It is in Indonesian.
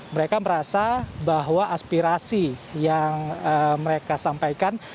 mereka merasa bahwa aspirasi yang mereka sampaikan